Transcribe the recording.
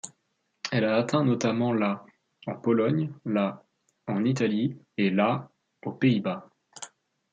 Elle a atteint notamment la en Pologne, la en Italie et la aux Pays-Bas.